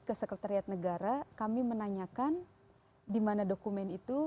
keksekretariat negara kami menanyakan di mana dokumen itu